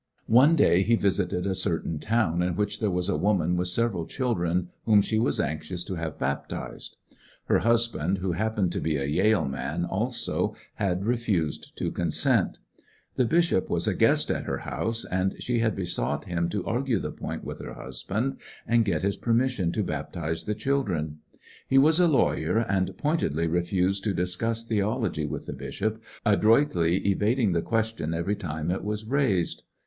One day he visited a certain town in which there was a woman with several children whom she was anxious t o have baptized* Her husband, who happened to be a Yale man alsOj had refused his consent The bishop was a guest at her housCj and she had besought him to argue the point with her husband and get his permission to baptize the childi en. He was a lawyer, and pointedly refused to discuss theology with the bishop, adroitly evading the question every time it was raised.